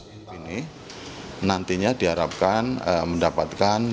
peserta ini nantinya diharapkan mendapatkan